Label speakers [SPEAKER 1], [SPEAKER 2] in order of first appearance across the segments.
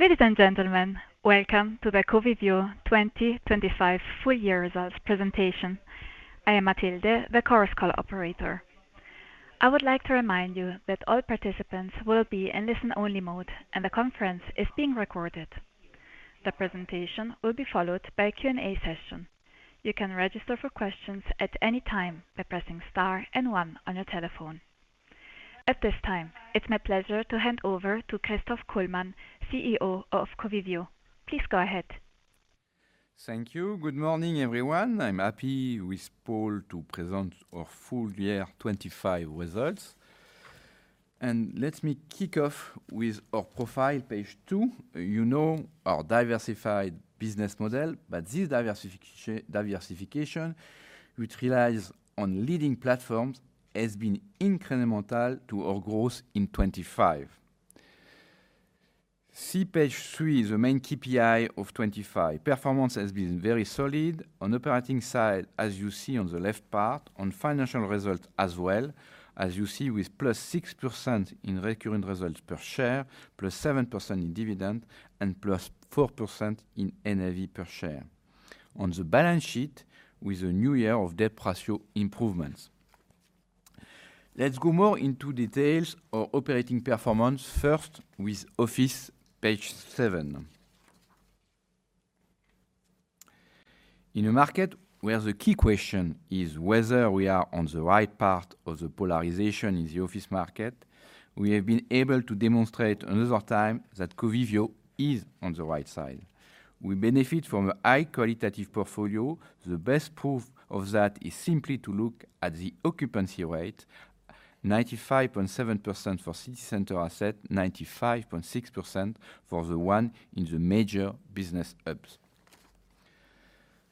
[SPEAKER 1] Ladies and gentlemen, welcome to the Covivio 2025 full year results presentation. I am Matilde, the conference call operator. I would like to remind you that all participants will be in listen-only mode, and the conference is being recorded. The presentation will be followed by a Q&A session. You can register for questions at any time by pressing star and one on your telephone. At this time, it's my pleasure to hand over to Christophe Kullmann, CEO of Covivio. Please go ahead.
[SPEAKER 2] Thank you. Good morning, everyone. I'm happy with Paul to present our full year 2025 results. Let me kick off with our profile, page two. You know our diversified business model, but this diversification, which relies on leading platforms, has been incremental to our growth in 2025. See page three, the main KPI of 2025. Performance has been very solid on the operating side, as you see on the left part, on financial results as well, as you see with +6% in recurring results per share, +7% in dividend, and +4% in NAV per share. On the balance sheet, with a new year of debt ratio improvements. Let's go more into details of operating performance, first with office, page seven. In a market where the key question is whether we are on the right path of the polarization in the office market, we have been able to demonstrate another time that Covivio is on the right side. We benefit from a high qualitative portfolio. The best proof of that is simply to look at the occupancy rate, 95.7% for city center asset, 95.6% for the one in the major business hubs.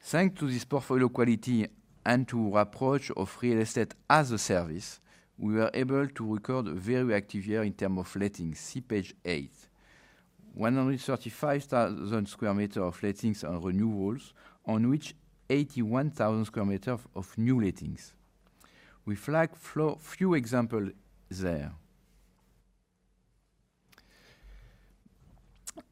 [SPEAKER 2] Thanks to this portfolio quality and to approach of real estate as a service, we were able to record a very active year in terms of lettings. See page eight. 135,000 sq m of lettings and renewals on which 81,000 sq m of new lettings. We flag few examples there.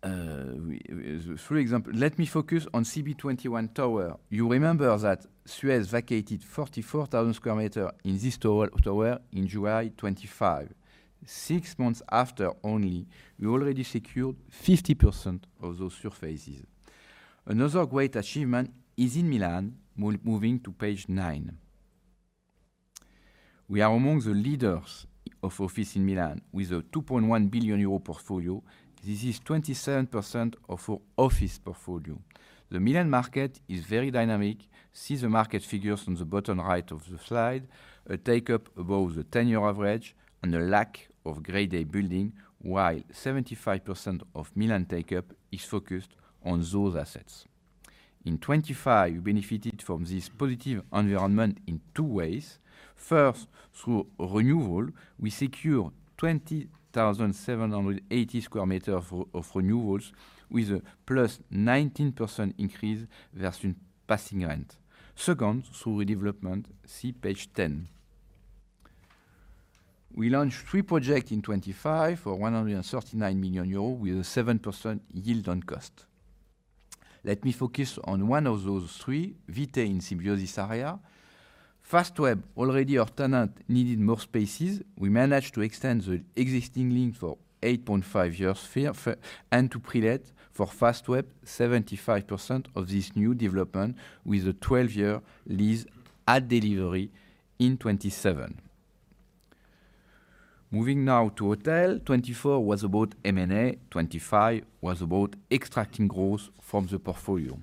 [SPEAKER 2] Three examples. Let me focus on CB21 Tower. You remember that Suez vacated 44,000 sq m in this tower in July 2025. Six months after only, we already secured 50% of those surfaces. Another great achievement is in Milan. Moving to page nine. We are among the leaders of office in Milan with a 2.1 billion euro portfolio. This is 27% of our office portfolio. The Milan market is very dynamic. See the market figures on the bottom right of the slide. A take-up above the 10-year average and a lack of grade A building while 75% of Milan take-up is focused on those assets. In 2025, we benefited from this positive environment in two ways. First, through renewal, we secure 20,780 sq m of renewals with a +19% increase versus passing rent. Second, through redevelopment, see page 10. We launched three projects in 2025 for 139 million euros with a 7% yield on cost. Let me focus on one of those three, Vitae in Symbiosis area. Fastweb, already our tenant, needed more spaces. We managed to extend the existing link for 8.5 years and to pre-let for Fastweb 75% of this new development with a 12-year lease at delivery in 2027. Moving now to hotels. 2024 was about M&A, 2025 was about extracting growth from the portfolio.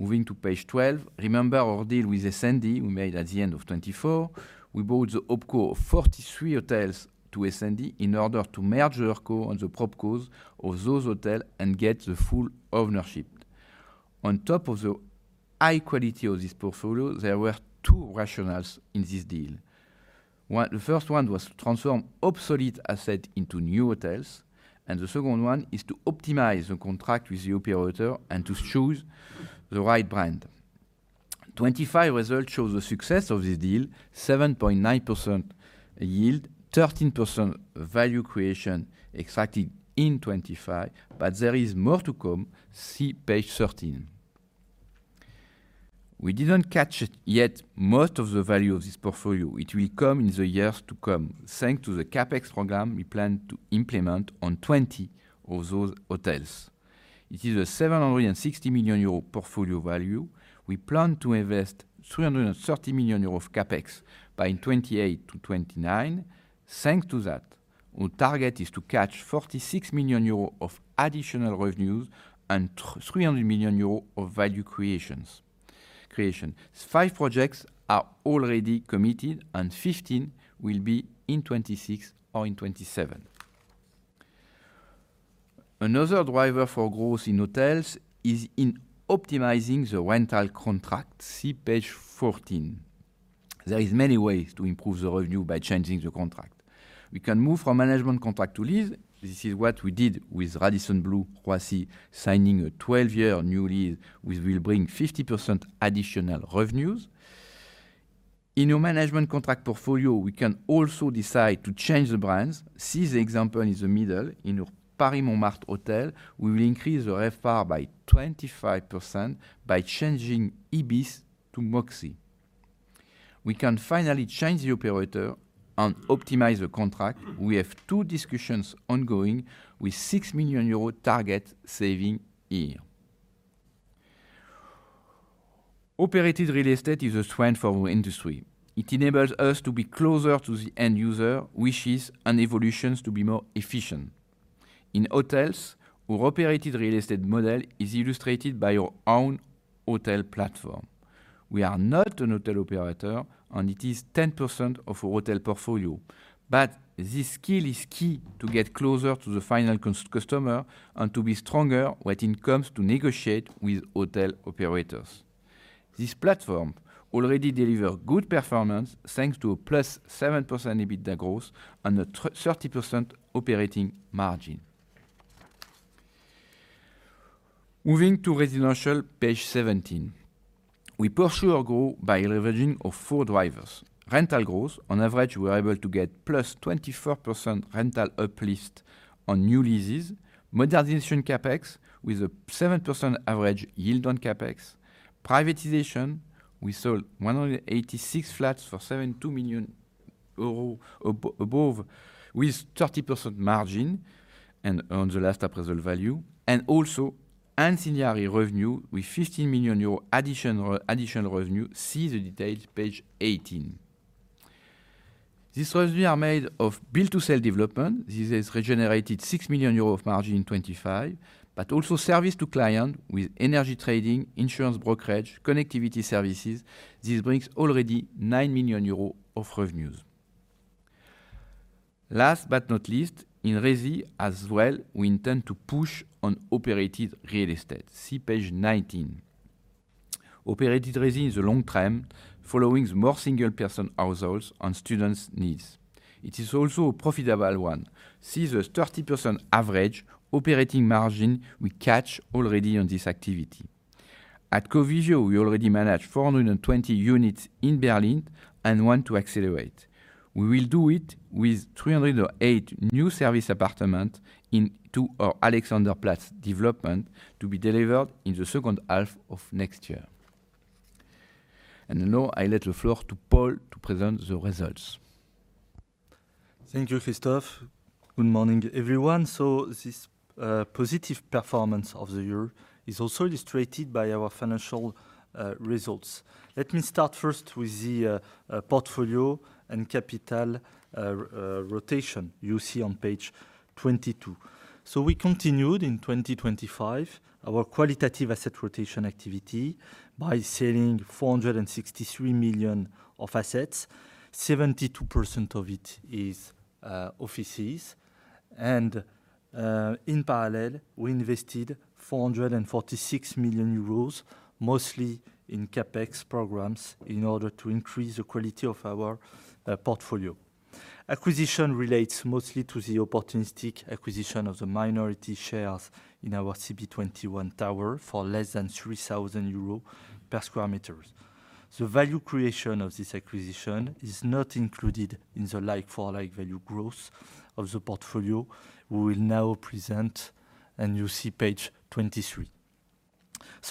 [SPEAKER 2] Moving to page 12. Remember our deal with Essendi we made at the end of 2024. We bought the OpCo of 43 hotels to Essendi in order to merge their co on the PropCo of those hotels and get the full ownership. On top of the high quality of this portfolio, there were two rationales in this deal. The first one was to transform obsolete assets into new hotels. The second one is to optimize the contract with the operator and to choose the right brand. 2025 results show the success of this deal, 7.9% yield, 13% value creation expected in 2025. There is more to come. See page 13. We did not catch yet most of the value of this portfolio. It will come in the years to come. Thanks to the CapEx program we plan to implement on 20 of those hotels. It is a 760 million euro portfolio value. We plan to invest 330 million euro of CapEx by 2028 to 2029. Thanks to that, our target is to catch 46 million euros of additional revenues and 300 million euros of value creation. Five projects are already committed and 15 will be in 2026 or in 2027. Another driver for growth in hotels is in optimizing the rental contract. See page 14. There are many ways to improve the revenue by changing the contract. We can move from management contract to lease. This is what we did with Radisson Blu Roissy, signing a 12-year new lease, which will bring 50% additional revenues. In our management contract portfolio, we can also decide to change the brands. See the example in the middle in Ibis Montmartre hotel, we will increase the RevPAR by 25% by changing Ibis to Moxy. We can finally change the operator and optimize the contract. We have two discussions ongoing with 6 million euro target saving here. Operated real estate is a strength for our industry. It enables us to be closer to the end user wishes and evolutions to be more efficient. In hotels, our operated real estate model is illustrated by our own hotel platform. We are not a hotel operator and it is 10% of our hotel portfolio. This skill is key to get closer to the final customer and to be stronger when it comes to negotiate with hotel operators. This platform already delivers good performance thanks to a +7% EBITDA growth and a 30% operating margin. Moving to residential, page 17. We pursue our growth by leveraging our four drivers. Rental growth. On average, we are able to get +24% rental uplift on new leases. Modernization CapEx with a 7% average yield on CapEx. Privatization. We sold 186 flats for 72 million euros above with 30% margin and on the last appraisal value. Also ancillary revenue with 15 million euro additional revenue. See the details page 18. These revenues are made of build-to-sell development. This has regenerated 6 million euros of margin in 2025, but also service to client with energy trading, insurance brokerage, connectivity services. This brings already 9 million euros of revenues. Last but not least, in resi as well, we intend to push on operated real estate. See page 19. Operated resi is a long term following more single person households and students' needs. It is also a profitable one. See the 30% average operating margin we catch already on this activity. At Covivio, we already manage 420 units in Berlin and want to accelerate. We will do it with 308 new service apartment into our Alexanderplatz development to be delivered in the second half of next year. I let the floor to Paul to present the results.
[SPEAKER 3] Thank you, Christophe. Good morning, everyone. This positive performance of the year is also illustrated by our financial results. Let me start first with the portfolio and capital rotation you see on page 22. We continued in 2025, our qualitative asset rotation activity by selling 463 million of assets. 72% of it is offices. In parallel, we invested 446 million euros, mostly in CapEx programs, in order to increase the quality of our portfolio. Acquisition relates mostly to the opportunistic acquisition of the minority shares in our CB21 tower for less than 3,000 euros per sq m. The value creation of this acquisition is not included in the like-for-like value growth of the portfolio we will now present, and you see page 23.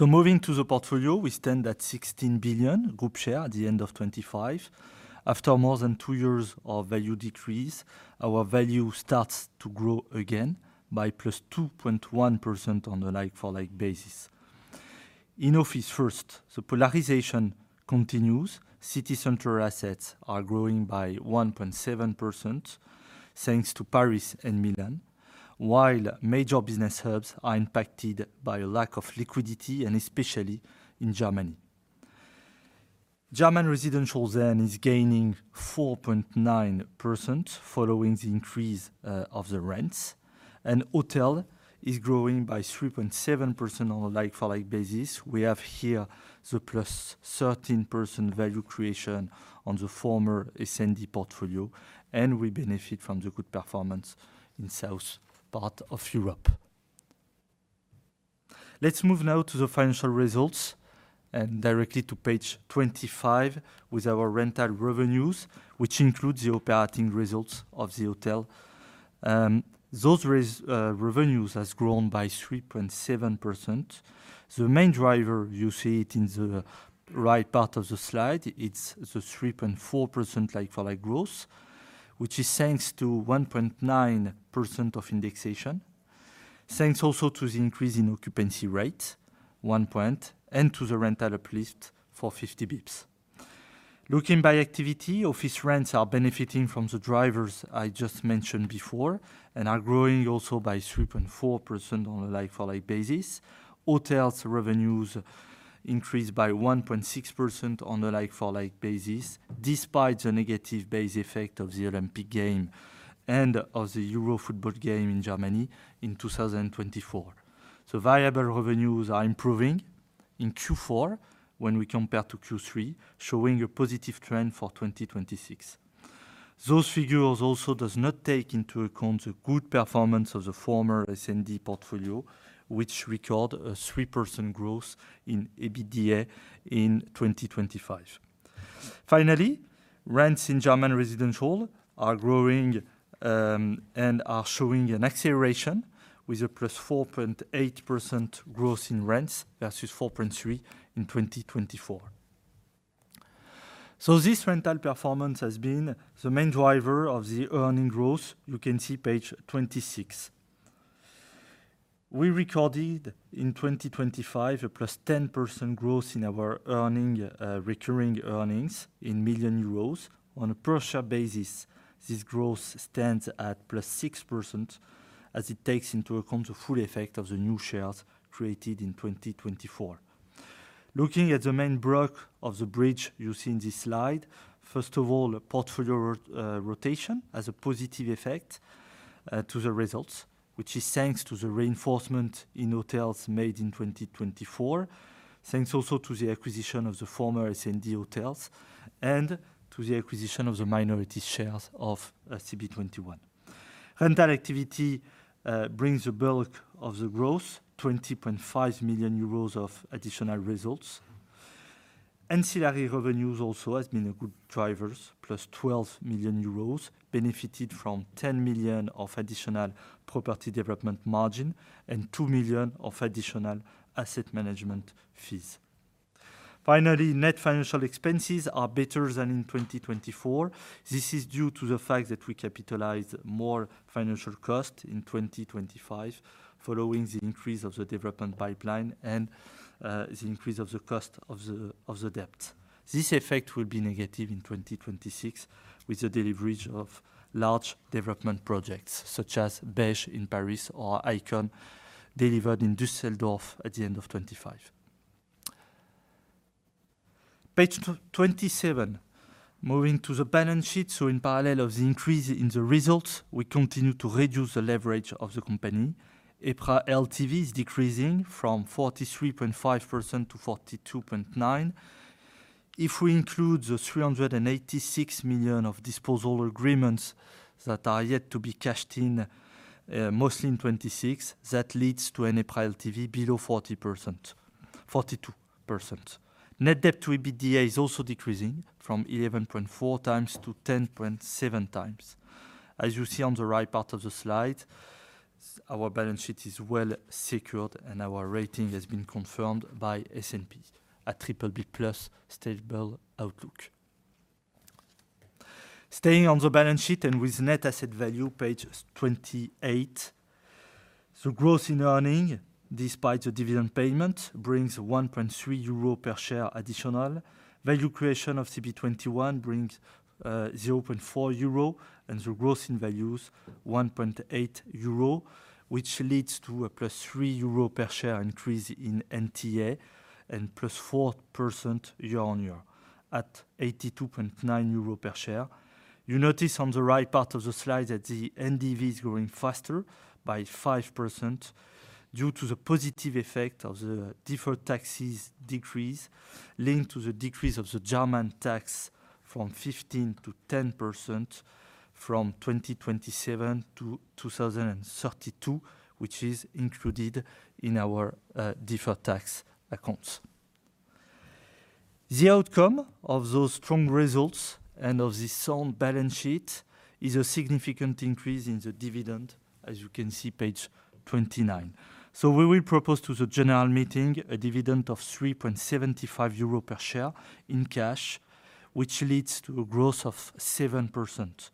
[SPEAKER 3] Moving to the portfolio, we stand at 16 billion group share at the end of 2025. After more than 2 years of value decrease, our value starts to grow again by +2.1% on a like-for-like basis. In office first, the polarization continues. City center assets are growing by 1.7% thanks to Paris and Milan, while major business hubs are impacted by a lack of liquidity and especially in Germany. German residential is gaining 4.9% following the increase of the rents, and hotel is growing by 3.7% on a like-for-like basis. We have here the +13% value creation on the former Essendi portfolio, and we benefit from the good performance in south part of Europe. Let's move now to the financial results and directly to page 25 with our rental revenues, which include the operating results of the hotel. Those revenues has grown by 3.7%. The main driver, you see it in the right part of the slide, it's the 3.4% like-for-like growth, which is thanks to 1.9% of indexation. Thanks also to the increase in occupancy rate, one point, and to the rental uplift for 50 basis points. Looking by activity, office rents are benefiting from the drivers I just mentioned before and are growing also by 3.4% on a like-for-like basis. Hotels revenues increased by 1.6% on a like-for-like basis, despite the negative base effect of the Olympic Game and of the Euro football game in Germany in 2024. Variable revenues are improving in Q4 when we compare to Q3, showing a positive trend for 2026. Those figures also do not take into account the good performance of the former Essendi portfolio, which recorded a 3% growth in EBITDA in 2025. Finally, rents in German residential are growing and are showing an acceleration with a +4.8% growth in rents versus 4.3% in 2024. This rental performance has been the main driver of the earning growth. You can see page 26. We recorded, in 2025, a +10% growth in our recurring earnings in million euros. On a per share basis, this growth stands at +6%, as it takes into account the full effect of the new shares created in 2024. Looking at the main block of the bridge you see in this slide, first of all, portfolio rotation has a positive effect to the results, which is thanks to the reinforcement in hotels made in 2024. Thanks also to the acquisition of the former Essendi hotels and to the acquisition of the minority shares of CB21. Rental activity brings the bulk of the growth, 20.5 million euros of additional results. Ancillary revenues also has been a good drivers, 12 million euros benefited from 10 million of additional property development margin and 2 million of additional asset management fees. Finally, net financial expenses are better than in 2024. This is due to the fact that we capitalize more financial cost in 2025, following the increase of the development pipeline and the increase of the cost of the debt. This effect will be negative in 2026 with the delivery of large development projects such as Beige in Paris or ICON, delivered in Düsseldorf at the end of 2025. Page 27. Moving to the balance sheet. In parallel of the increase in the results, we continue to reduce the leverage of the company. EPRA LTV is decreasing from 43.5% to 42.9%. If we include the 386 million of disposal agreements that are yet to be cashed in, mostly in 2026, that leads to an EPRA LTV below 42%. Net debt to EBITDA is also decreasing from 11.4 times to 10.7 times. As you see on the right part of the slide, our balance sheet is well secured and our rating has been confirmed by S&P, a BBB+ stable outlook. Staying on the balance sheet and with net asset value, page 28. The growth in earning, despite the dividend payment, brings 1.3 euro per share additional. Value creation of CB21 brings 0.4 euro and the growth in values 1.8 euro, which leads to a +3 euro per share increase in NTA and +4% year-on-year at 82.9 euro per share. You notice on the right part of the slide that the NDV is growing faster by 5% due to the positive effect of the deferred taxes decrease, linked to the decrease of the German tax from 15% to 10% from 2027 to 2032, which is included in our deferred tax accounts. The outcome of those strong results and of this sound balance sheet is a significant increase in the dividend, as you can see, page 29. We will propose to the general meeting a dividend of 3.75 euro per share in cash, which leads to a growth of 7%.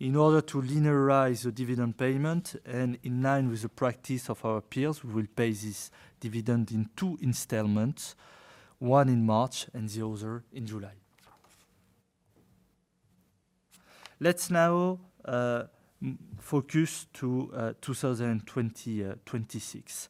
[SPEAKER 3] In order to linearize the dividend payment and in line with the practice of our peers, we will pay this dividend in two installments, one in March and the other in July. Let's now focus to 2026.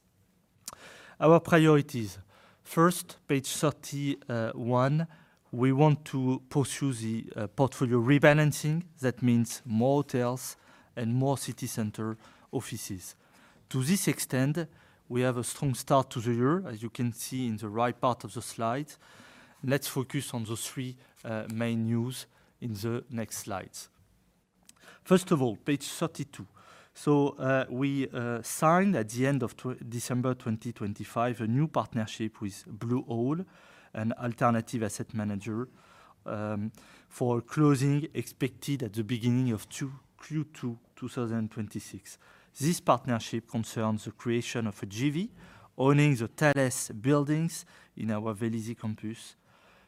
[SPEAKER 3] Our priorities. First, page 31, we want to pursue the portfolio rebalancing. That means more hotels and more city center offices. To this extent, we have a strong start to the year, as you can see in the right part of the slide. Let's focus on the three main news in the next slides. First of all, page 32. We signed at the end of December 2025 a new partnership with Blue Owl, an alternative asset manager, for closing expected at the beginning of Q2 2026. This partnership concerns the creation of a JV owning the Thales buildings in our Vélizy campus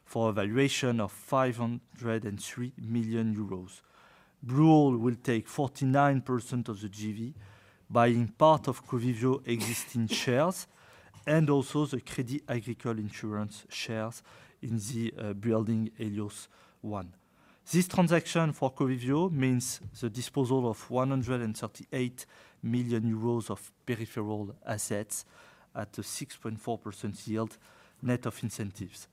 [SPEAKER 3] for a valuation of 503 million euros. Blue Owl will take 49% of the JV, buying part of Covivio existing shares and also the Crédit Agricole insurance shares in the building Hélios 1. This transaction for Covivio means the disposal of 138 million euros of peripheral assets at a 6.4% yield net of incentives.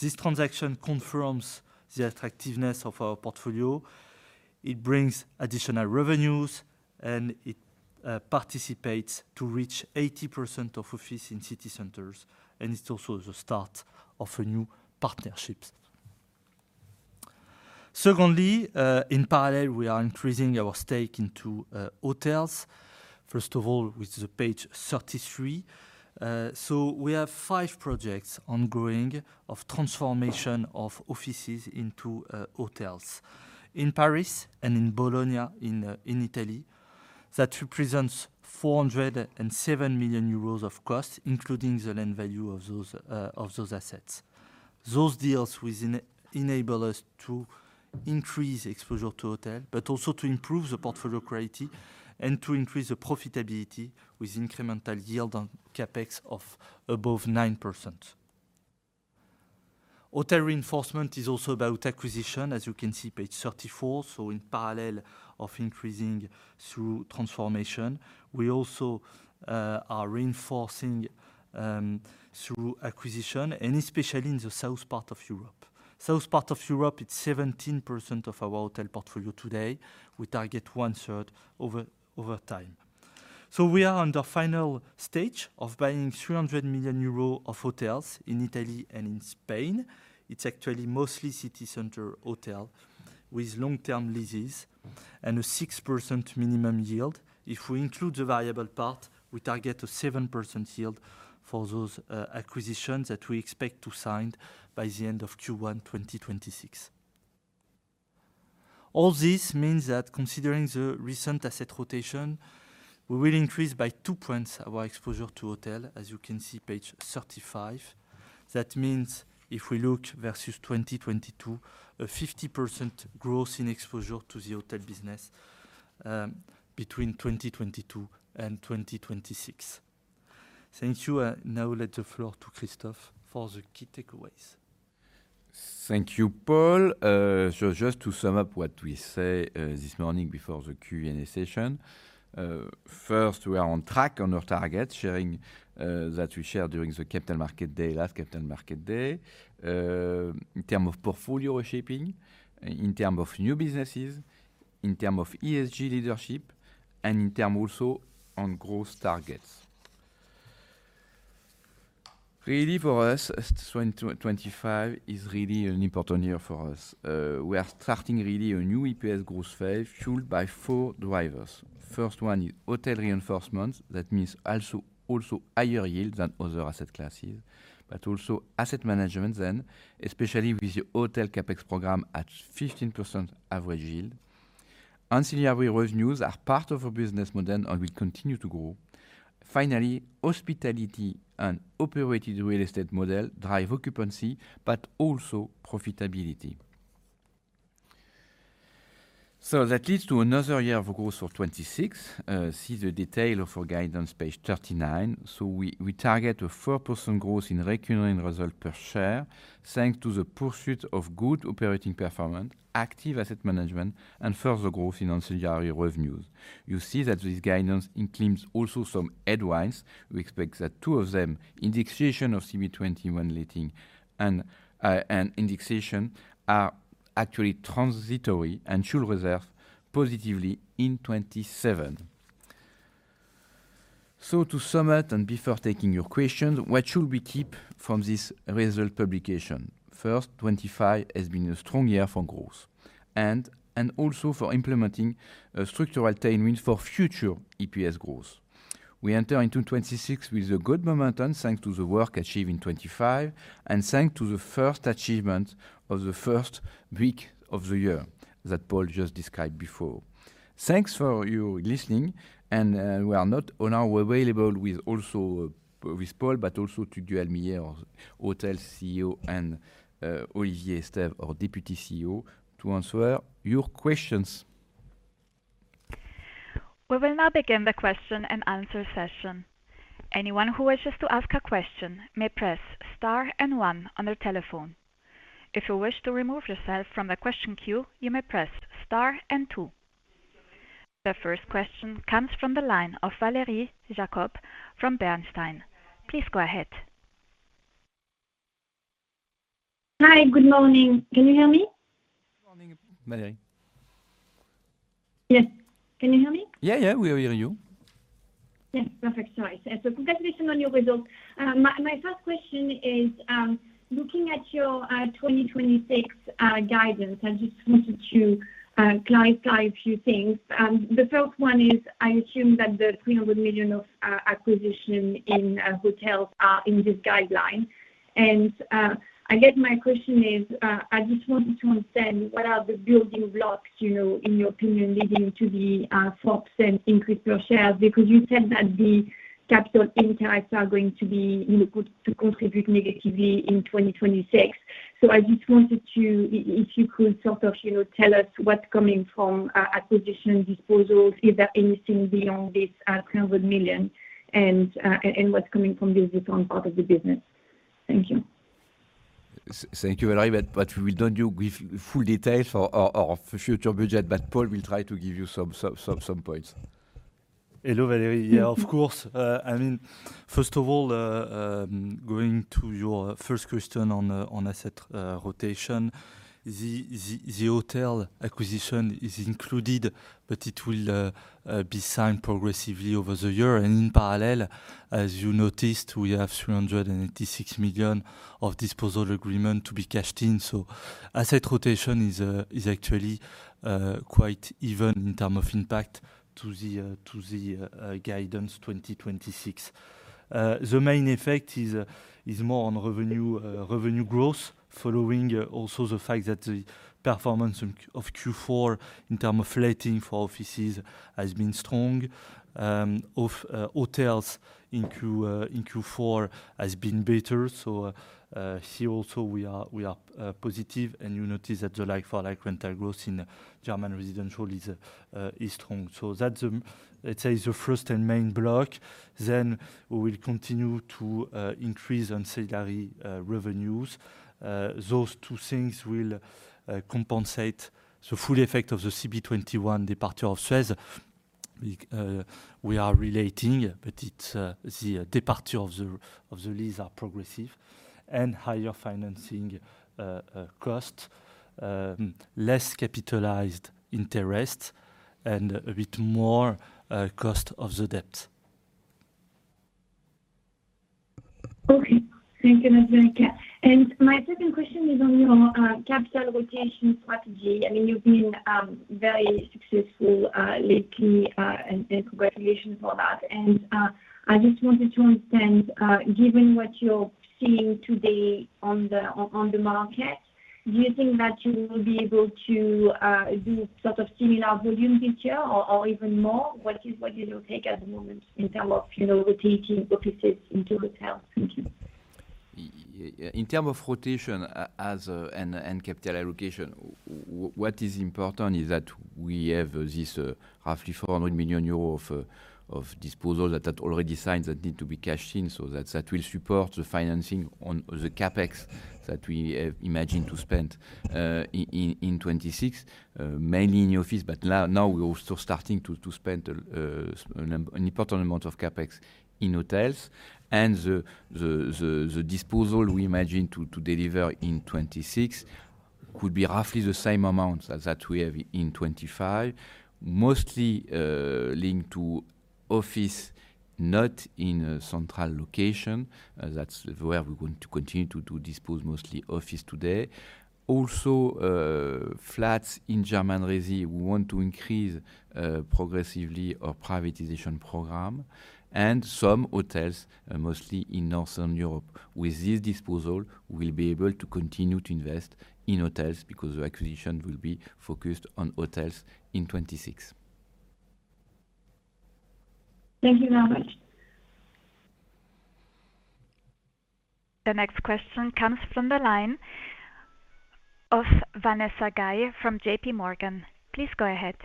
[SPEAKER 3] This transaction confirms the attractiveness of our portfolio. It brings additional revenues, it participates to reach 80% of office in city centers, and it's also the start of new partnerships. Secondly, in parallel, we are increasing our stake into hotels. First of all, which is page 33. We have five projects ongoing of transformation of offices into hotels. In Paris and in Bologna, in Italy, that represents 407 million euros of cost, including the land value of those assets. Those deals will enable us to increase exposure to hotel, but also to improve the portfolio quality and to increase the profitability with incremental yield on CapEx of above 9%. Hotel reinforcement is also about acquisition, as you can see, page 34. In parallel of increasing through transformation, we also are reinforcing through acquisition, especially in the south part of Europe. South part of Europe, it's 17% of our hotel portfolio today. We target one-third over time. We are on the final stage of buying 300 million euros of hotels in Italy and in Spain. It's actually mostly city center hotel with long-term leases and a 6% minimum yield. If we include the variable part, we target a 7% yield for those acquisitions that we expect to sign by the end of Q1 2026. All this means that considering the recent asset rotation, we will increase by two points our exposure to hotel, as you can see, page 35. That means if we look versus 2022, a 50% growth in exposure to the hotel business between 2022 and 2026. Thank you. I now let the floor to Christophe for the key takeaways.
[SPEAKER 2] Thank you, Paul. Just to sum up what we say this morning before the Q&A session. First, we are on track on our target, sharing that we share during the Capital Market Day, last Capital Market Day, in terms of portfolio shaping, in terms of new businesses, in terms of ESG leadership, and in terms also on growth targets. Really for us, 2025 is really an important year for us. We are starting really a new EPS growth phase fueled by four drivers. First one is hotel reinforcements. That means also higher yield than other asset classes, but also asset management then, especially with the hotel CapEx program at 15% average yield. Ancillary revenues are part of our business model and will continue to grow. Finally, hospitality and operated real estate model drive occupancy, but also profitability. That leads to another year of growth for 2026. See the detail of our guidance, page 39. We target a 4% growth in recurring result per share, thanks to the pursuit of good operating performance, active asset management, and further growth in ancillary revenues. You see that this guidance includes also some headwinds. We expect that two of them, indexation of CMI21 leasing and indexation, are actually transitory and should reserve positively in 2027. To sum it, and before taking your questions, what should we keep from this result publication? First, 2025 has been a strong year for growth and also for implementing structural attainments for future EPS growth. We enter into 2026 with a good momentum, thanks to the work achieved in 2025 and thanks to the first achievement of the first week of the year that Paul just described before. Thanks for your listening. We are now available with Paul, but also to Joël Mihiel, our hotel CEO, and Olivier Estève, our deputy CEO, to answer your questions.
[SPEAKER 1] We will now begin the question-and-answer session. Anyone who wishes to ask a question may press star and one on their telephone. If you wish to remove yourself from the question queue, you may press star and two. The first question comes from the line of Valerie Jacob from Bernstein. Please go ahead.
[SPEAKER 4] Hi. Good morning. Can you hear me?
[SPEAKER 2] Morning, Valérie.
[SPEAKER 4] Yes. Can you hear me?
[SPEAKER 2] Yeah. We hear you.
[SPEAKER 4] Yeah. Perfect. Sorry. Congratulations on your results. My first question is, looking at your 2026 guidance, I just wanted to clarify a few things. The first one is, I assume that the 300 million of acquisition in hotels are in this guideline. I guess my question is, I just wanted to understand what are the building blocks in your opinion leading to the 4% increase per share? You said that the capital intakes are going to contribute negatively in 2026. I just wanted to, if you could sort of tell us what's coming from acquisition disposals. Is there anything beyond this 300 million? What's coming from this on part of the business? Thank you.
[SPEAKER 2] Thank you, Valérie. We don't give full details of future budget, but Paul will try to give you some points.
[SPEAKER 3] Hello, Valérie. Yeah, of course. First of all, going to your first question on asset rotation, the hotel acquisition is included, but it will be signed progressively over the year. In parallel, as you noticed, we have 386 million of disposal agreement to be cashed in. Asset rotation is actually quite even in term of impact to the guidance 2026. The main effect is more on revenue growth following also the fact that the performance of Q4 in term of letting for offices has been strong. Of hotels in Q4 has been better. Here also we are positive and you notice that the like-for-like rental growth in German residential is strong. Let's say is the first and main block. We will continue to increase on salary revenues. Those two things will compensate the full effect of the CB21 departure of Suez. We are relating, but the departure of the lease are progressive and higher financing cost, less capitalized interest, and a bit more cost of the debt.
[SPEAKER 4] Okay. Thank you, Laurence. My second question is on your capital rotation strategy. You've been very successful lately, and congratulations for that. I just wanted to understand, given what you're seeing today on the market, do you think that you will be able to do similar volume this year or even more? What is your take at the moment in term of rotating offices into hotels? Thank you.
[SPEAKER 3] In terms of rotation and capital allocation, what is important is that we have this roughly 400 million euro of disposal that are already signed that need to be cashed in. That will support the financing on the CapEx that we imagine to spend in 2026, mainly in office. Now we're also starting to spend an important amount of CapEx in hotels. The disposal we imagine to deliver in 2026 could be roughly the same amount as that we have in 2025. Mostly linked to office, not in a central location. That's where we're going to continue to dispose mostly office today. Also, flats in German resi, we want to increase progressively our privatization program and some hotels, mostly in Northern Europe. With this disposal, we'll be able to continue to invest in hotels because the acquisition will be focused on hotels in 2026.
[SPEAKER 4] Thank you very much.
[SPEAKER 1] The next question comes from the line of Vanessa Gauthier from J.P. Morgan. Please go ahead.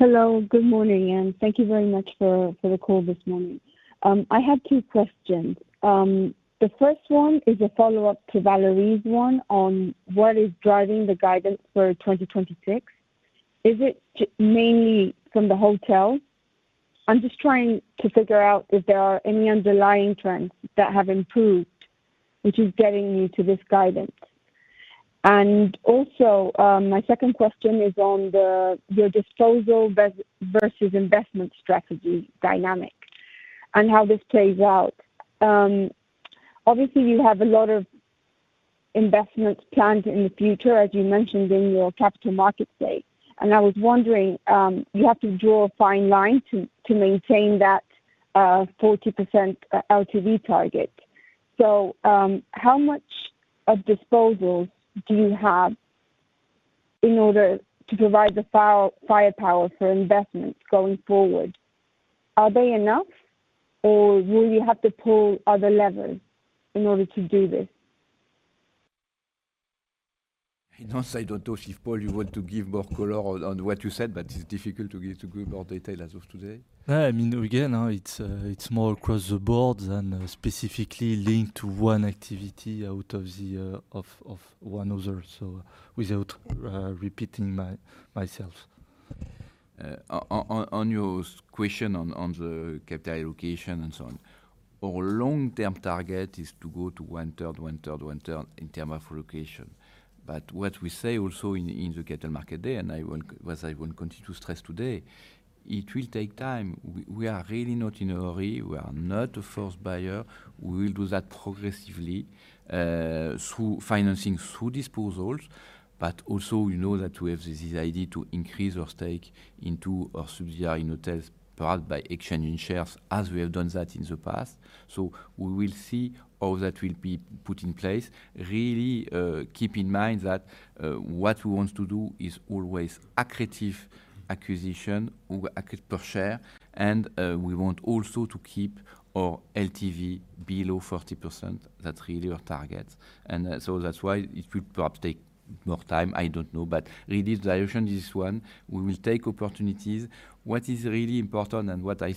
[SPEAKER 5] Hello. Good morning. Thank you very much for the call this morning. I have two questions. The first one is a follow-up to Valerie's one on what is driving the guidance for 2026. Is it mainly from the hotels? I'm just trying to figure out if there are any underlying trends that have improved, which is getting you to this guidance. Also, my second question is on your disposal versus investment strategy dynamic and how this plays out. Obviously, you have a lot of investments planned in the future, as you mentioned in your Capital Market Day. I was wondering, you have to draw a fine line to maintain that 40% LTV target. How much of disposals do you have in order to provide the firepower for investments going forward? Are they enough or will you have to pull other levers in order to do this?
[SPEAKER 3] I don't know, Chief Paul, you want to give more color on what you said, but it's difficult to give more detail as of today. Yeah. Again, it's more across the board than specifically linked to one activity out of one other. Without repeating myself. On your question on the capital allocation and so on. Our long-term target is to go to one-third, one-third, one-third in term of allocation. What we say also in the Capital Market Day, and what I want to continue to stress today, it will take time. We are really not in a hurry. We are not a first buyer. We will do that progressively through financing, through disposals. Also, we know that we have this idea to increase our stake into our subsidiary in hotels, perhaps by exchanging shares as we have done that in the past. We will see how that will be put in place. Really, keep in mind that what we want to do is always accretive acquisition per share, and we want also to keep our LTV below 40%. That's really our target. That's why it will perhaps take more time. I don't know. Really, the direction is one, we will take opportunities. What is really important and what we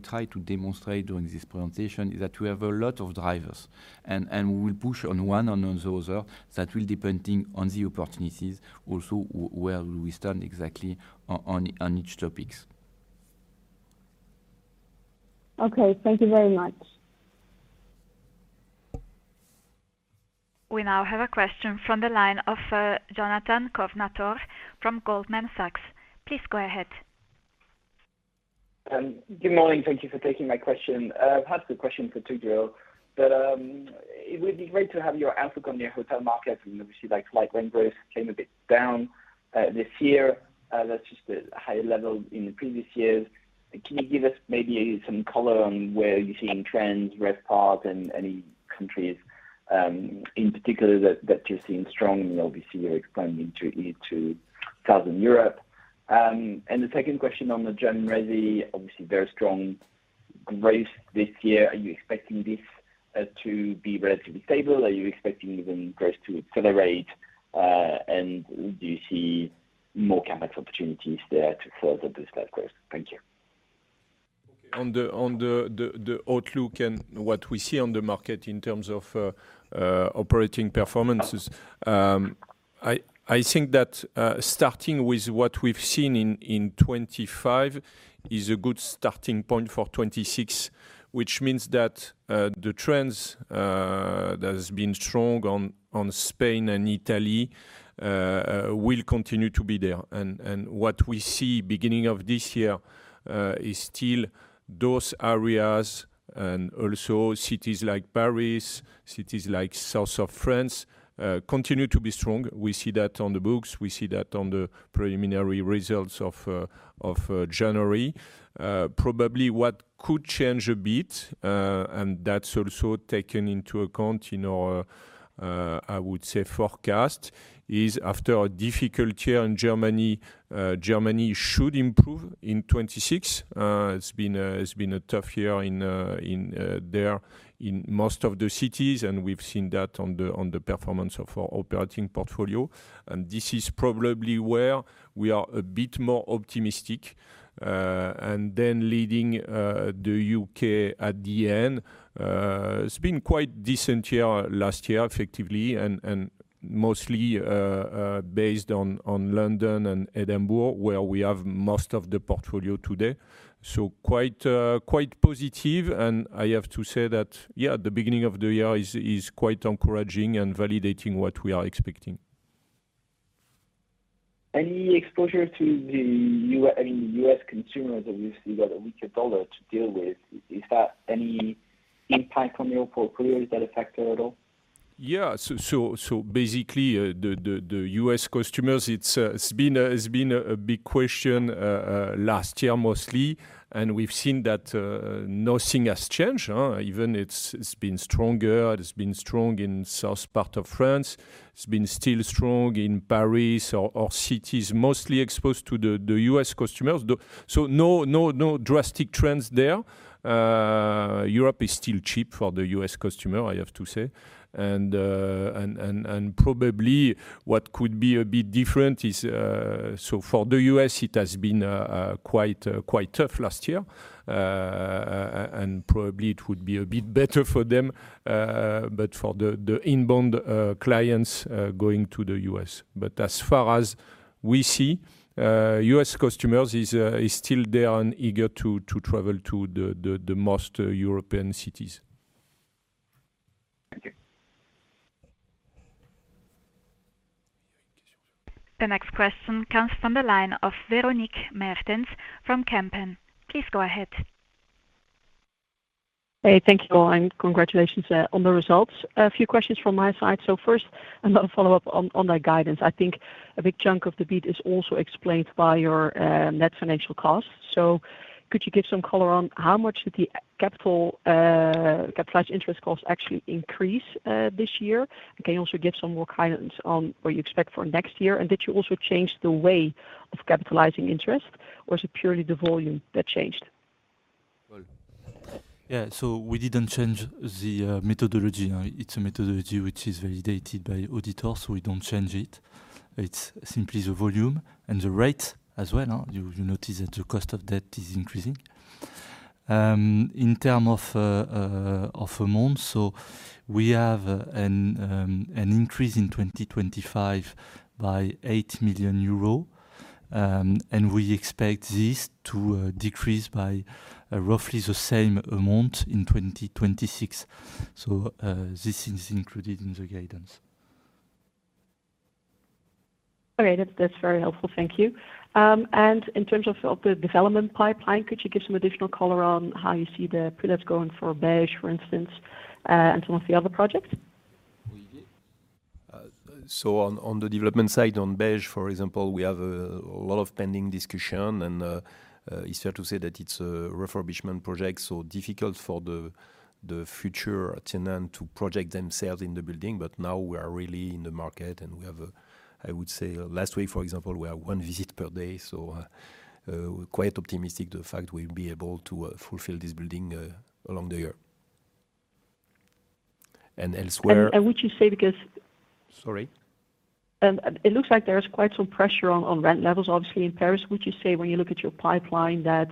[SPEAKER 3] try to demonstrate during this presentation is that we have a lot of drivers. We will push on one and on the other. That will depending on the opportunities, also where we stand exactly on each topics.
[SPEAKER 6] Okay, thank you very much.
[SPEAKER 1] We now have a question from the line of Jonathan Kownator from Goldman Sachs. Please go ahead.
[SPEAKER 7] Good morning. Thank you for taking my question. I have a quick question for Toudjo. It would be great to have your outlook on your hotel market. Obviously, light rent growth came a bit down this year. That's just the high level in the previous years. Can you give us maybe some color on where you're seeing trends, RevPAR and any countries in particular that you're seeing strong? Obviously, you're expanding into Southern Europe. The second question on the gen resi, obviously very strong growth this year. Are you expecting this to be relatively stable? Are you expecting even growth to accelerate? Do you see more CapEx opportunities there to further boost that growth? Thank you.
[SPEAKER 8] On the outlook, what we see on the market in terms of operating performances, I think that starting with what we've seen in 2025 is a good starting point for 2026, which means that the trends that has been strong on Spain and Italy will continue to be there. What we see beginning of this year is still those areas and also cities like Paris, cities like South of France, continue to be strong. We see that on the books. We see that on the preliminary results of January. Probably what could change a bit, that's also taken into account in our, I would say, forecast, is after a difficult year in Germany should improve in 2026. It's been a tough year there in most of the cities, we've seen that on the performance of our operating portfolio. This is probably where we are a bit more optimistic. Then leading the U.K. at the end. It's been quite decent year last year, effectively, mostly based on London and Edinburgh, where we have most of the portfolio today. Quite positive, I have to say that, yeah, the beginning of the year is quite encouraging and validating what we are expecting.
[SPEAKER 7] Any exposure to the U.S. consumers, obviously, you got a weaker dollar to deal with. Is that any impact on your portfolio? Does that affect it at all?
[SPEAKER 8] Yeah. Basically, the U.S. customers, it's been a big question last year mostly, and we've seen that nothing has changed. Even it's been stronger. It's been strong in south part of France. It's been still strong in Paris or cities mostly exposed to the U.S. customers. No drastic trends there. Europe is still cheap for the U.S. customer, I have to say. Probably what could be a bit different is, for the U.S., it has been quite tough last year, and probably it would be a bit better for them, but for the inbound clients going to the U.S. As far as we see, U.S. customers is still there and eager to travel to the most European cities.
[SPEAKER 7] Thank you.
[SPEAKER 1] The next question comes from the line of Véronique Meertens from Kempen. Please go ahead.
[SPEAKER 6] Hey, thank you all, and congratulations on the results. A few questions from my side. First, a follow-up on that guidance. I think a big chunk of the beat is also explained by your net financial cost. Could you give some color on how much did the capitalized interest cost actually increase this year? Can you also give some more guidance on what you expect for next year? Did you also change the way of capitalizing interest, or is it purely the volume that changed?
[SPEAKER 3] Yeah. We didn't change the methodology. It's a methodology which is validated by auditors, so we don't change it. It's simply the volume and the rate as well. You notice that the cost of debt is increasing. In terms of amount, we have an increase in 2025 by 8 million euros, and we expect this to decrease by roughly the same amount in 2026. This is included in the guidance.
[SPEAKER 6] Okay. That's very helpful. Thank you. In terms of the development pipeline, could you give some additional color on how you see the product going for Beige, for instance, and some of the other projects?
[SPEAKER 3] On the development side, on Beige, for example, we have a lot of pending discussion, and it's fair to say that it's a refurbishment project, so difficult for the future tenant to project themselves in the building. But now we are really in the market, and we have a, I would say, last week, for example, we have one visit per day. We're quite optimistic the fact we'll be able to fulfill this building along the year. Elsewhere-
[SPEAKER 6] Would you say because
[SPEAKER 3] Sorry?
[SPEAKER 6] It looks like there is quite some pressure on rent levels, obviously, in Paris. Would you say when you look at your pipeline that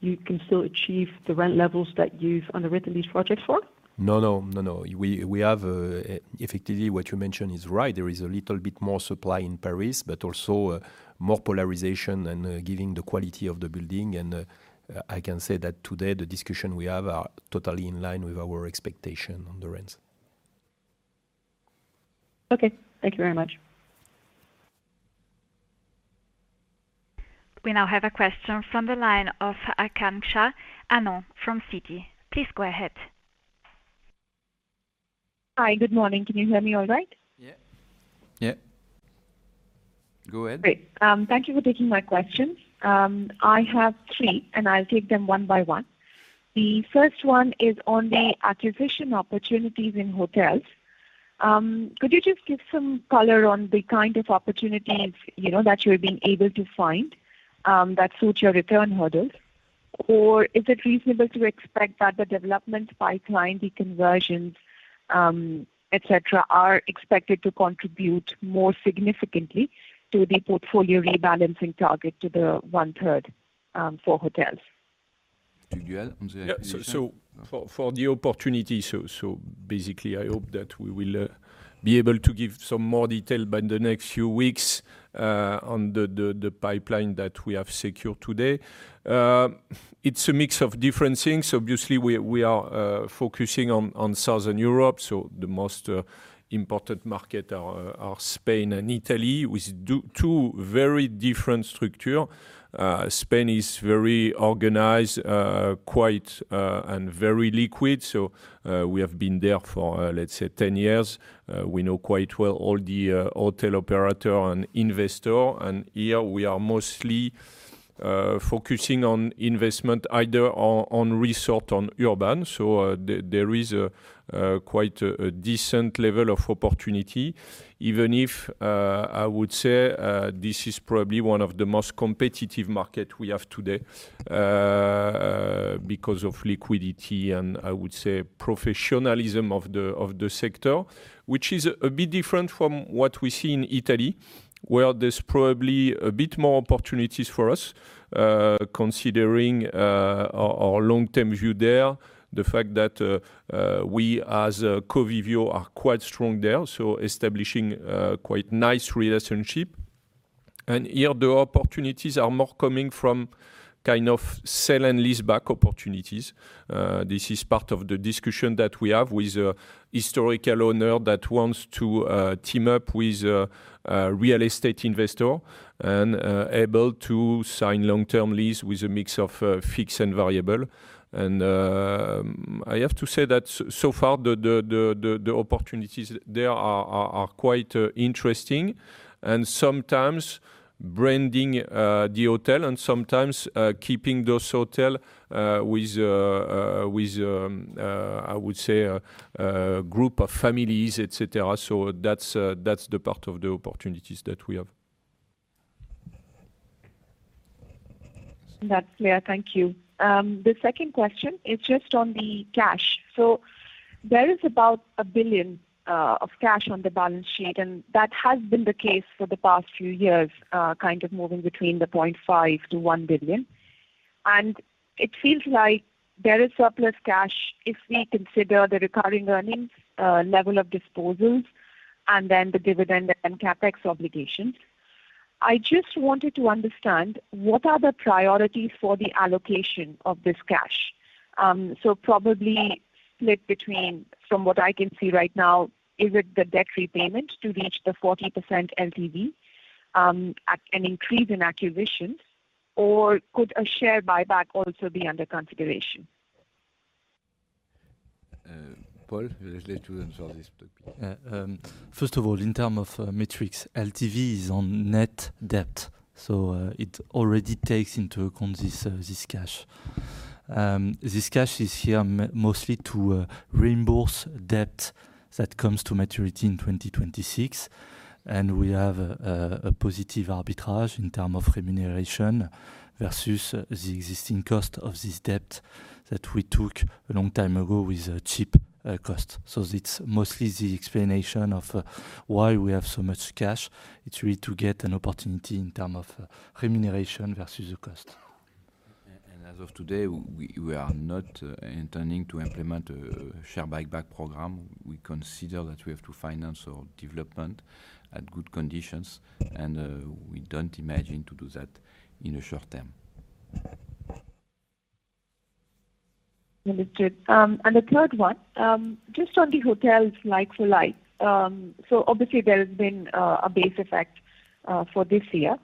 [SPEAKER 6] you can still achieve the rent levels that you've underwritten these projects for?
[SPEAKER 3] No. We have effectively what you mentioned is right. There is a little bit more supply in Paris, but also more polarization and giving the quality of the building. I can say that today, the discussion we have are totally in line with our expectation on the rents.
[SPEAKER 6] Okay. Thank you very much.
[SPEAKER 1] We now have a question from the line of Aakanksha Anand from Citi. Please go ahead.
[SPEAKER 9] Hi. Good morning. Can you hear me all right?
[SPEAKER 8] Yeah.
[SPEAKER 2] Yeah. Go ahead.
[SPEAKER 9] Great. Thank you for taking my questions. I have three, and I'll take them one by one. The first one is on the acquisition opportunities in hotels. Could you just give some color on the kind of opportunities that you're being able to find that suit your return hurdles? Or is it reasonable to expect that the development pipeline, the conversions, et cetera, are expected to contribute more significantly to the portfolio rebalancing target to the one-third for hotels?
[SPEAKER 2] Julien, on the acquisition?
[SPEAKER 8] For the opportunity, I hope that we will be able to give some more detail by the next few weeks on the pipeline that we have secured today. It is a mix of different things. Obviously, we are focusing on Southern Europe, the most important market are Spain and Italy, with two very different structure. Spain is very organized, and very liquid. We have been there for, let's say, 10 years. We know quite well all the hotel operator and investor. And here we are mostly focusing on investment either on resort, on urban. There is quite a decent level of opportunity, even if I would say this is probably one of the most competitive market we have today, because of liquidity and, I would say professionalism of the sector. Which is a bit different from what we see in Italy, where there is probably a bit more opportunities for us, considering our long-term view there. The fact that we, as Covivio, are quite strong there, so establishing quite nice relationship. And here, the opportunities are more coming from sell and lease back opportunities. This is part of the discussion that we have with historical owner that wants to team up with a real estate investor, and able to sign long-term lease with a mix of fixed and variable. And, I have to say that so far, the opportunities there are quite interesting. And sometimes branding the hotel and sometimes keeping those hotel with, I would say a group of families, et cetera. That is the part of the opportunities that we have.
[SPEAKER 9] That is clear. Thank you. The second question is just on the cash. There is about 1 billion of cash on the balance sheet, and that has been the case for the past few years, moving between 0.5 billion to 1 billion. And it feels like there is surplus cash if we consider the recurring earnings, level of disposals, and then the dividend and CapEx obligations. I just wanted to understand, what are the priorities for the allocation of this cash? Probably split between, from what I can see right now, is it the debt repayment to reach the 40% LTV, an increase in acquisitions, or could a share buyback also be under consideration?
[SPEAKER 2] Paul, would like to answer this topic.
[SPEAKER 3] First of all, in terms of metrics, LTV is on net debt. It already takes into account this cash. This cash is here mostly to reimburse debt that comes to maturity in 2026. We have a positive arbitrage in terms of remuneration versus the existing cost of this debt that we took a long time ago with a cheap cost. It's mostly the explanation of why we have so much cash. It's really to get an opportunity in terms of remuneration versus the cost.
[SPEAKER 2] As of today, we are not intending to implement a share buyback program. We consider that we have to finance our development at good conditions and we don't imagine to do that in a short term.
[SPEAKER 9] Understood. The third one, just on the hotels like-for-like. Obviously there has been a base effect for this year.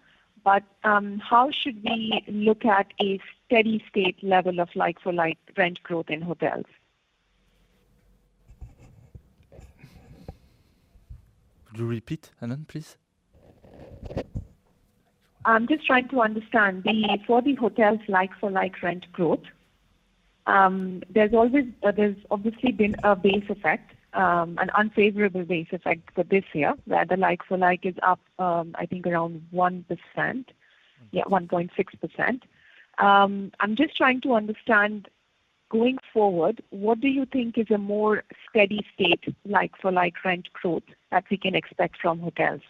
[SPEAKER 9] How should we look at a steady state level of like-for-like rent growth in hotels?
[SPEAKER 3] Could you repeat, Anand, please?
[SPEAKER 9] I'm just trying to understand. For the hotels like-for-like rent growth, there's obviously been a base effect, an unfavorable base effect for this year, where the like-for-like is up, I think around 1%. Yeah, 1.6%. I'm just trying to understand, going forward, what do you think is a more steady state like-for-like rent growth that we can expect from hotels?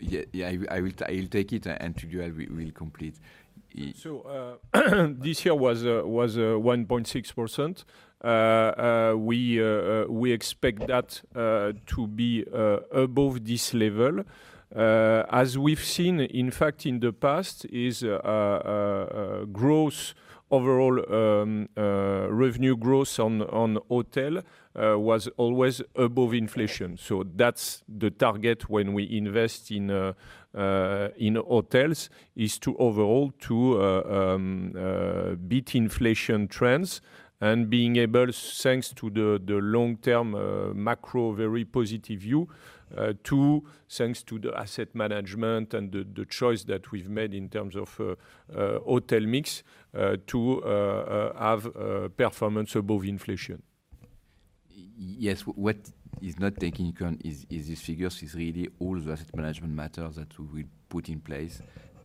[SPEAKER 2] Yeah. I will take it. Julien will complete.
[SPEAKER 8] This year was 1.6%. We expect that to be above this level. As we've seen, in fact, in the past, is a growth Overall revenue growth on hotel was always above inflation. That's the target when we invest in hotels, is to overall beat inflation trends and being able, thanks to the long-term macro very positive view. Too, thanks to the asset management and the choice that we've made in terms of hotel mix to have performance above inflation.
[SPEAKER 2] Yes. What is not taking account is these figures is really all the asset management matters that we put in place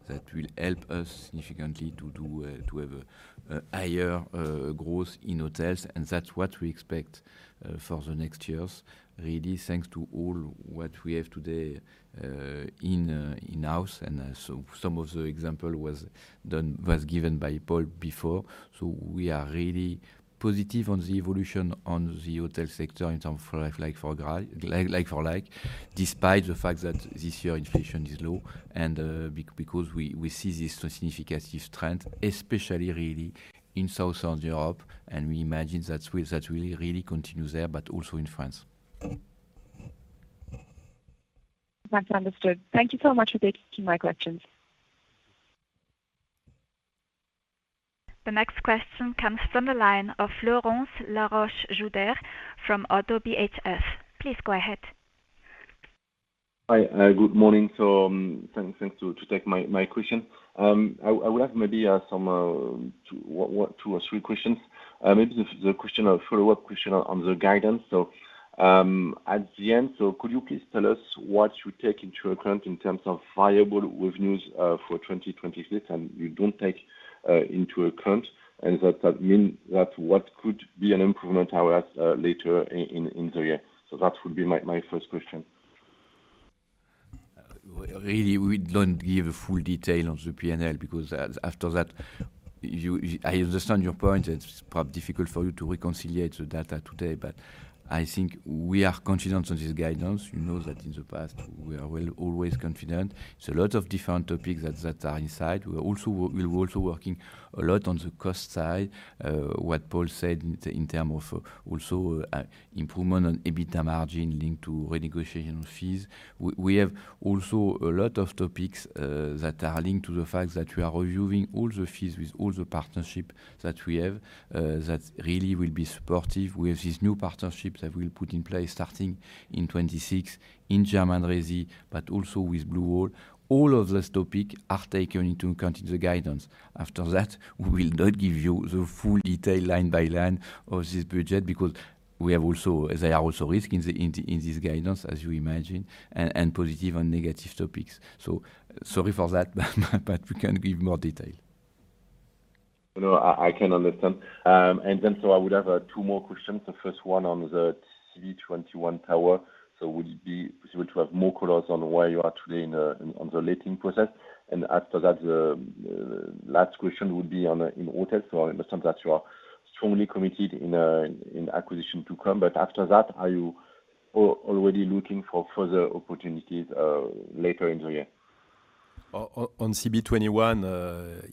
[SPEAKER 2] that will help us significantly to have a higher growth in hotels, and that's what we expect for the next years, really, thanks to all what we have today in-house. Some of the example was given by Paul before. We are really positive on the evolution on the hotel sector in terms of like-for-like, despite the fact that this year inflation is low and because we see this significant trend especially really in Southern Europe, and we imagine that will really continue there, but also in France.
[SPEAKER 9] That's understood. Thank you so much for taking my questions.
[SPEAKER 1] The next question comes from the line of Laurence Laroche from Oddo BHF. Please go ahead.
[SPEAKER 10] Hi. Good morning. Thanks for taking my question. I would have two or three questions. The follow-up question on the guidance. At the end, could you please tell us what you take into account in terms of viable revenues for 2026 and you don't take into account, does that mean that what could be an improvement later in the year? That would be my first question.
[SPEAKER 2] We don't give a full detail on the P&L because after that I understand your point. It's probably difficult for you to reconcile the data today, but I think we are confident on this guidance. You know that in the past we are always confident. There's a lot of different topics that are inside. We're also working a lot on the cost side. What Paul said in terms of also, improvement on EBITDA margin linked to renegotiation fees. We have also a lot of topics that are linked to the fact that we are reviewing all the fees with all the partnership that we have, that really will be supportive with this new partnership that we'll put in place starting in 2026 in German Resi, but also with Blue Owl. All of those topics are taken into account in the guidance. After that, we will not give you the full detail line by line of this budget because there are also risks in this guidance, as you imagine, and positive and negative topics. Sorry for that, but we can't give more detail.
[SPEAKER 10] No, I can understand. I would have two more questions. The first one on the CB21 tower. Would it be possible to have more colors on where you are today on the letting process? After that, the last question would be on in hotel. I understand that you are strongly committed in acquisition to come, but after that, are you already looking for further opportunities later in the year?
[SPEAKER 8] On CB21,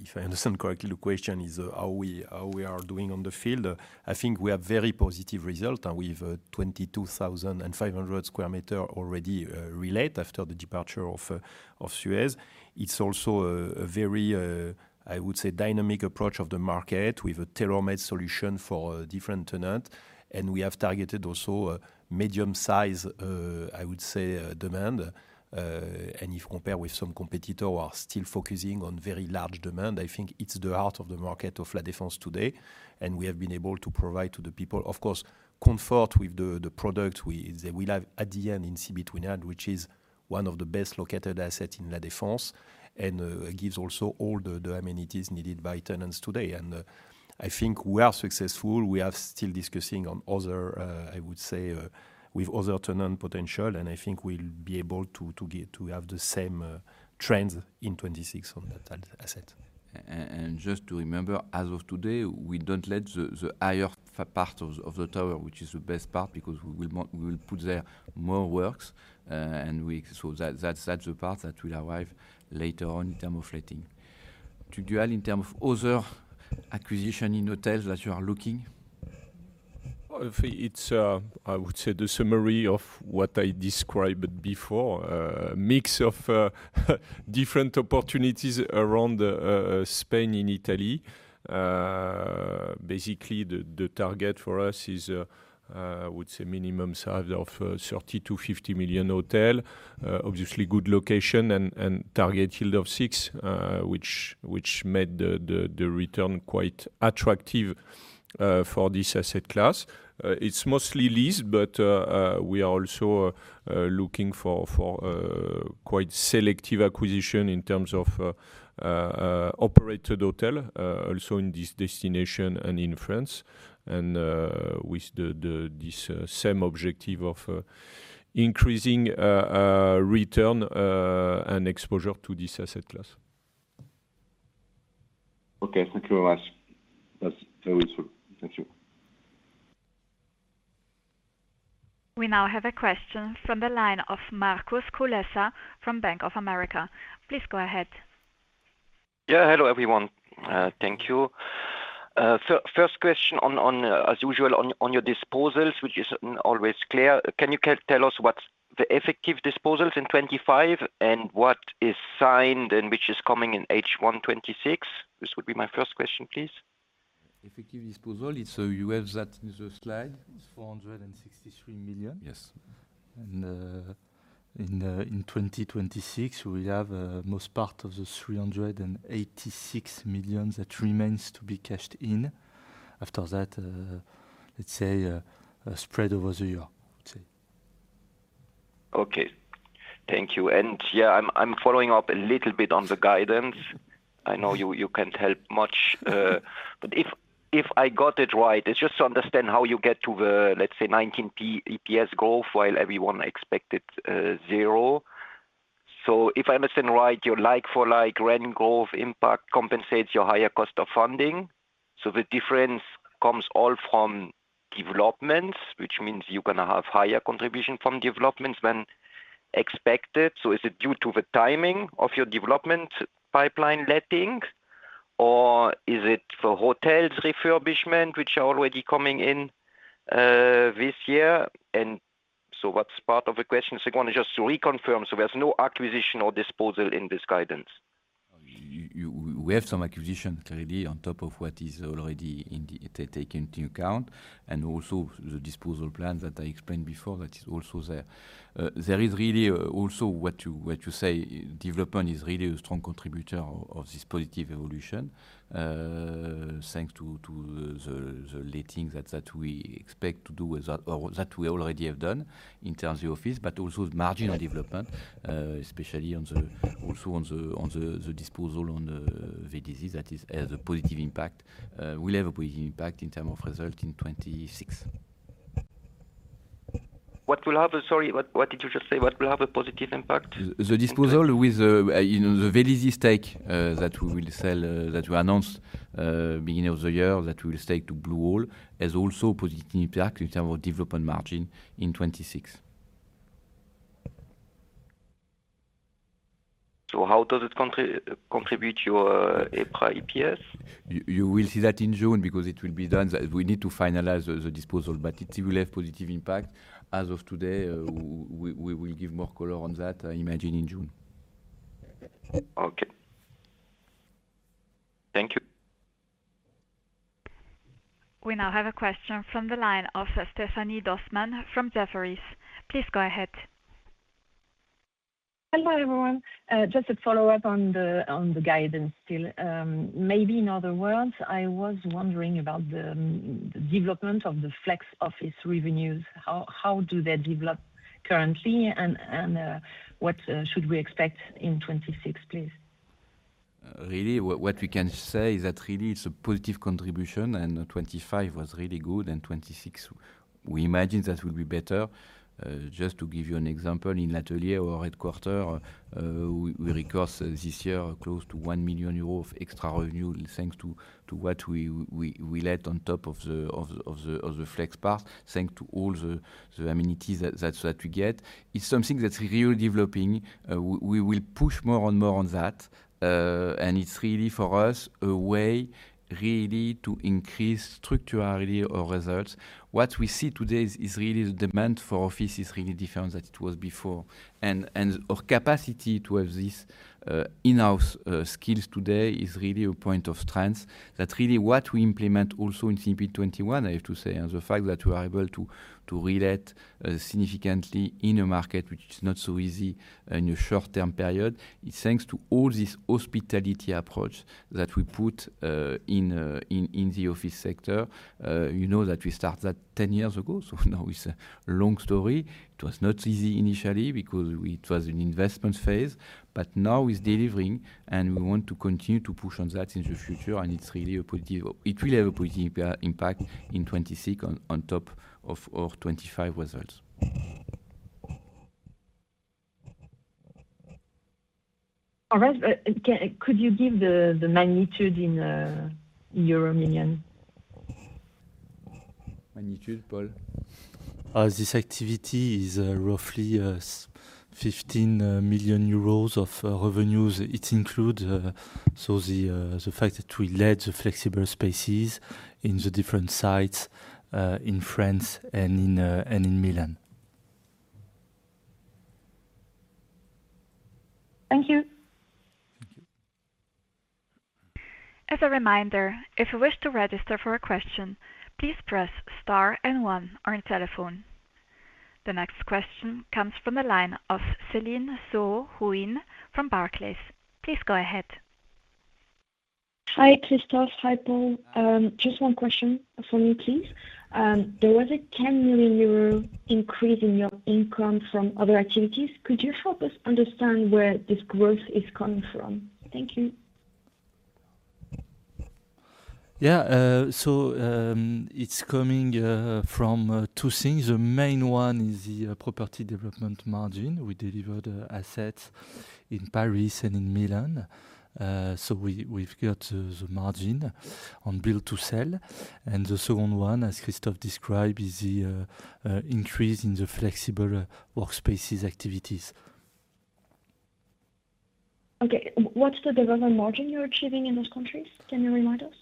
[SPEAKER 8] if I understand correctly, the question is how we are doing on the field. I think we have very positive result, we have 22,500 sq m already relet after the departure of Suez. It's also a very, I would say, dynamic approach of the market with a tailor-made solution for different tenant. We have targeted also a medium size, I would say, demand. If compared with some competitor who are still focusing on very large demand, I think it's the heart of the market of La Défense today, and we have been able to provide to the people, of course, comfort with the product we will have at the end in CB21, which is one of the best located asset in La Défense and gives also all the amenities needed by tenants today. I think we are successful. We are still discussing on other tenant potential. I think we'll be able to have the same trends in 2026 on that asset.
[SPEAKER 2] Just to remember, as of today, we don't let the higher part of the tower, which is the best part, because we will put there more works. That's the part that will arrive later on in terms of letting. To you, Alain, in terms of other acquisition in hotels that you are looking?
[SPEAKER 8] It's, I would say, the summary of what I described before. A mix of different opportunities around Spain and Italy. Basically, the target for us is, I would say minimum size of 30 million to 50 million hotel. Obviously good location and target yield of 6%, which made the return quite attractive for this asset class. It's mostly leased, but we are also looking for quite selective acquisition in terms of operated hotel, also in this destination and in France, and with this same objective of increasing return and exposure to this asset class.
[SPEAKER 10] Okay. Thank you very much. That's very clear.
[SPEAKER 1] We now have a question from the line of Marcin Kaczmarczyk from Bank of America. Please go ahead.
[SPEAKER 11] Hello, everyone. Thank you. First question, as usual, on your disposals, which is not always clear. Can you tell us what the effective disposals in 2025 and what is signed and which is coming in H1 2026? This would be my first question, please.
[SPEAKER 12] Effective disposal, you have that in the slide. It is 463 million.
[SPEAKER 11] Yes.
[SPEAKER 12] In 2026, we have most part of the 386 million that remains to be cashed in. After that, let's say spread over the year.
[SPEAKER 11] Okay. Thank you. I am following up a little bit on the guidance. I know you cannot help much. If I got it right, it is just to understand how you get to the, let's say, 19 EPS growth while everyone expected 0. If I understand right, your like for like rent growth impact compensates your higher cost of funding. The difference comes all from developments, which means you are going to have higher contribution from developments than expected. Is it due to the timing of your development pipeline letting, or is it for hotels refurbishment, which are already coming in this year? What is part of the question, second, just to reconfirm, there is no acquisition or disposal in this guidance? We have some acquisitions already on top of what is already taken into account. Also the disposal plan that I explained before, that is also there. There is really also what you say, development is really a strong contributor of this positive evolution, thanks to the letting that we expect to do or that we already have done in terms of office, but also the marginal development, especially on the disposal on the Vélizy that has a positive impact, will have a positive impact in terms of result in 2026. Sorry, what did you just say? What will have a positive impact?
[SPEAKER 12] The disposal with the Vélizy site that we will sell, that we announced beginning of the year that we will sell to Blue Owl, has also a positive impact in terms of development margin in 2026.
[SPEAKER 11] How does it contribute to your EPRA EPS?
[SPEAKER 12] You will see that in June because it will be done. We need to finalize the disposal. It will have positive impact as of today. We will give more color on that, I imagine, in June.
[SPEAKER 11] Okay. Thank you.
[SPEAKER 1] We now have a question from the line of Stephanie Dosman from Jefferies. Please go ahead.
[SPEAKER 13] Hello, everyone. Just a follow-up on the guidance still. Maybe in other words, I was wondering about the development of the flex office revenues. How do they develop currently and what should we expect in 2026, please?
[SPEAKER 12] Really, what we can say is that really it's a positive contribution, and 2025 was really good, and 2026 we imagine that will be better. Just to give you an example, in L'Atelier, our headquarter, we recourse this year close to 1 million euros of extra revenue thanks to what we let on top of the flex part, thanks to all the amenities that we get. It's something that's really developing. We will push more and more on that. It's really for us, a way, really, to increase structurally our results. What we see today is really the demand for office is really different than it was before. Our capacity to have these in-house skills today is really a point of strength. That's really what we implement also in CB21, I have to say. The fact that we're able to relate significantly in a market which is not so easy in a short-term period, it's thanks to all this hospitality approach that we put in the office sector. You know that we start that 10 years ago. Now it's a long story. It was not easy initially because it was an investment phase. Now it's delivering. We want to continue to push on that in the future. It will have a positive impact in 2026 on top of our 2025 results.
[SPEAKER 13] All right. Could you give the magnitude in euro million?
[SPEAKER 12] Magnitude, Paul?
[SPEAKER 3] This activity is roughly 15 million euros of revenues. It includes the fact that we let the flexible spaces in the different sites in France and in Milan.
[SPEAKER 13] Thank you.
[SPEAKER 1] As a reminder, if you wish to register for a question, please press star and one on telephone. The next question comes from the line of Céline Soubranne from Barclays. Please go ahead.
[SPEAKER 14] Hi, Christophe. Hi, Paul. Just one question from me, please. There was a 10 million euro increase in your income from other activities. Could you help us understand where this growth is coming from? Thank you.
[SPEAKER 12] It's coming from two things. The main one is the property development margin. We delivered assets in Paris and in Milan. We've got the margin on build to sell. The second one, as Christophe described, is the increase in the flexible workspaces activities.
[SPEAKER 14] What's the development margin you're achieving in those countries? Can you remind us?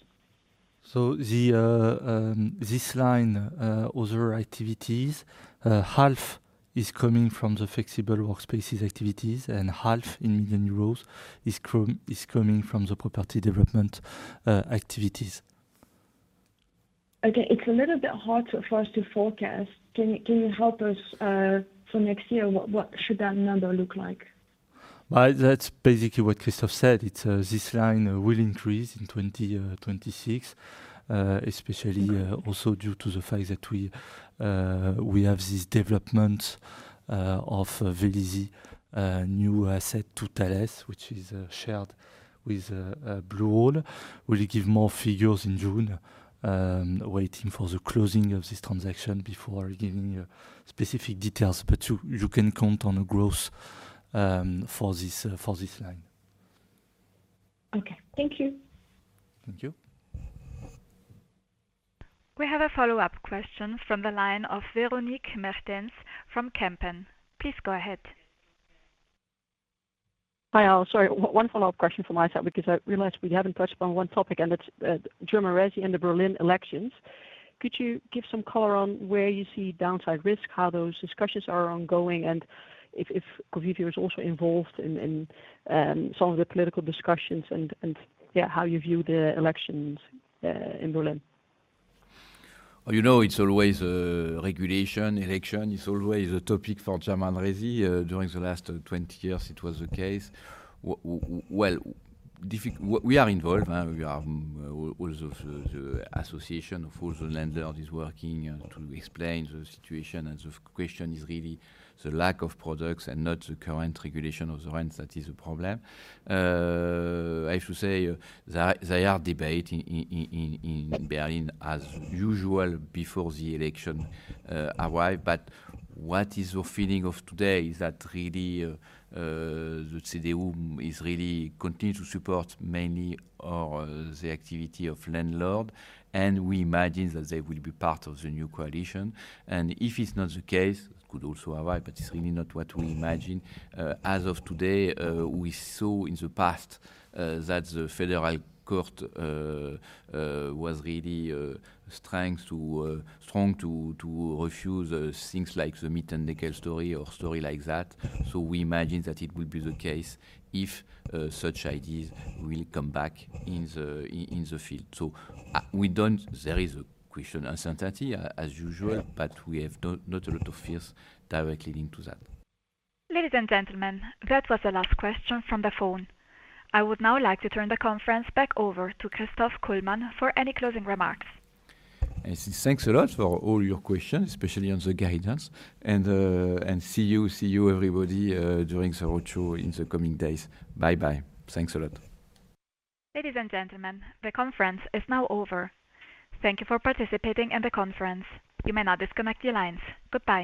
[SPEAKER 3] This line, other activities, half is coming from the flexible workspaces activities, half in EUR million is coming from the property development activities.
[SPEAKER 14] It's a little bit hard for us to forecast. Can you help us for next year? What should that number look like?
[SPEAKER 3] That's basically what Christophe said. This line will increase in 2026, especially also due to the fact that we have this development of Vélizy new asset to Thales, which is shared with Blue Owl. We'll give more figures in June, waiting for the closing of this transaction before giving you specific details. You can count on a growth for this line.
[SPEAKER 14] Okay. Thank you.
[SPEAKER 3] Thank you.
[SPEAKER 1] We have a follow-up question from the line of Véronique Meertens from Kempen. Please go ahead.
[SPEAKER 6] Hi, all. Sorry, one follow-up question from my side because I realized we haven't touched on one topic, and that's German resi and the Berlin elections. Could you give some color on where you see downside risk, how those discussions are ongoing, and if Covivio is also involved in some of the political discussions, and yeah, how you view the elections in Berlin?
[SPEAKER 3] It's always a regulation. Election is always a topic for German resi. During the last 20 years, it was the case. We are involved. We are all of the association of all the landlords is working to explain the situation. The question is really the lack of products and not the current regulation of the rents that is a problem. I should say they are debating in Berlin as usual before the election arrive. What is the feeling of today is that really, the CDU is really continue to support mainly the activity of landlord, and we imagine that they will be part of the new coalition. If it's not the case, could also arrive, but it's really not what we imagine. As of today, we saw in the past, that the Federal Court was really strong to refuse things like the Mietendeckel story or story like that. We imagine that it will be the case if such ideas will come back in the field. There is a question, uncertainty as usual, but we have not a lot of fears directly linked to that.
[SPEAKER 1] Ladies and gentlemen, that was the last question from the phone. I would now like to turn the conference back over to Christophe Kullmann for any closing remarks.
[SPEAKER 2] Thanks a lot for all your questions, especially on the guidance and, see you everybody, during the road show in the coming days. Bye bye. Thanks a lot.
[SPEAKER 1] Ladies and gentlemen, the conference is now over. Thank you for participating in the conference. You may now disconnect your lines. Goodbye.